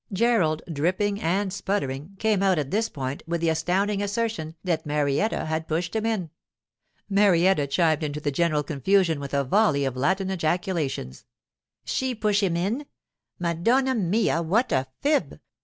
Gerald, dripping and sputtering, came out at this point with the astounding assertion that Marietta had pushed him in. Marietta chimed into the general confusion with a volley of Latin ejaculations. She push him in! Madonna mia, what a fib!